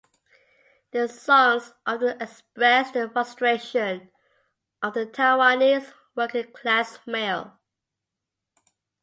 Their songs often express the frustration of the Taiwanese working class male.